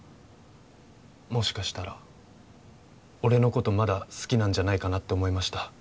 もしかしたら俺のことまだ好きなんじゃないかなって思いました